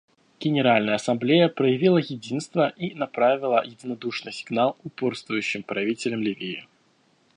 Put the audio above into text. Генеральная Ассамблея проявила единство и направила единодушный сигнал упорствующим правителям Ливии.